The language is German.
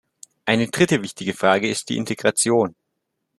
Eine dritte wichtige Frage ist die Integration.